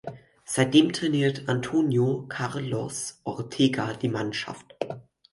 Seitdem trainiert Antonio Carlos Ortega die Mannschaft.